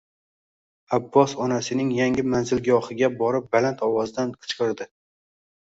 Abbos onasining yangi manzilgohiga borib, baland ovozda qichqirdi